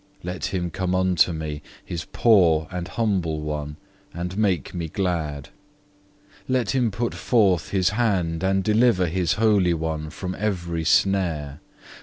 Let Him come unto me, His poor and humble one, and make me glad. Let Him put forth His hand, and deliver His holy one from every snare.